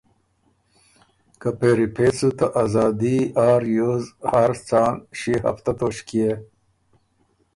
که پېری پېڅ سُو ته ازادي آ ریوز هر ځان ݭيې هفته توݭکيې